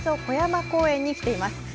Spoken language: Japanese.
古山公園に来ています。